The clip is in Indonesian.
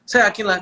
saya yakin lah